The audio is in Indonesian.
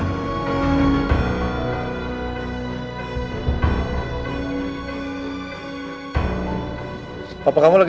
jangan lupa untuk berlangganan